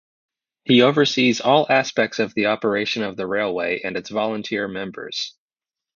He oversees all aspects of the operation of the railway and its volunteer members.